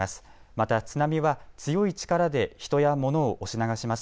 また津波は強い力で人や物を押し流します。